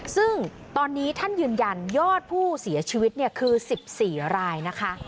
ซึ่งตอนนี้ท่านยืนยันยอดผู้เสียชีวิตคือ๑๔รายนะคะ